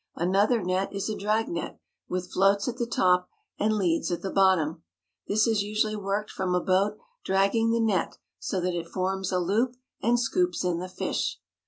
Another net is a dragnet, with floats at the top and leads at the bottom. This is usually worked from a boat dragging the net so that it forms a loop and scoops in the fish.